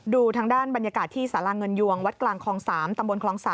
ดูทางด้านบรรยากาศที่สาราเงินยวงวัดกลางคลอง๓ตำบลคลอง๓